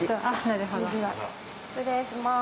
失礼します。